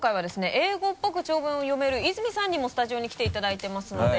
英語っぽく長文を読める泉さんにもスタジオに来ていただいていますので。